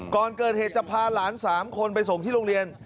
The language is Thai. ก่อนเกิดเหตุจะพาหลาน๓คนไปส่งที่โรงเรียน